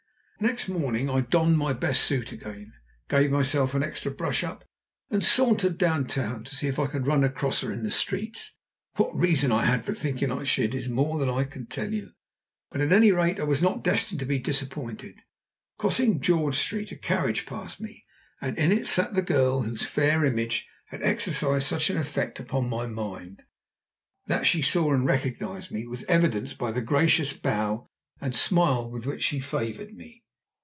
Next morning I donned my best suit again, gave myself an extra brush up, and sauntered down town to see if I could run across her in the streets. What reason I had for thinking I should is more than I can tell you, but at any rate I was not destined to be disappointed. Crossing George Street a carriage passed me, and in it sat the girl whose fair image had exercised such an effect upon my mind. That she saw and recognized me was evidenced by the gracious bow and smile with which she favoured me.